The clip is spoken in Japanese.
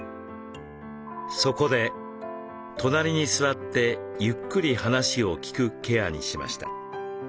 そこで「隣に座ってゆっくり話を聴く」ケアにしました。